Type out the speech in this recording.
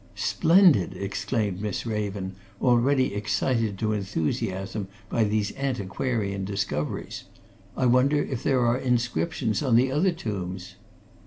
"Splendid!" exclaimed Miss Raven, already excited to enthusiasm by these antiquarian discoveries. "I wonder if there are inscriptions on the other tombs?"